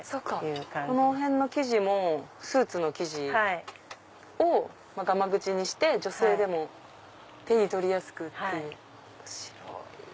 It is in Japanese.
このへんの生地もスーツの生地をがまぐちにして女性でも手に取りやすくっていう。